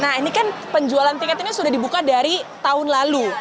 nah ini kan penjualan tiket ini sudah dibuka dari tahun lalu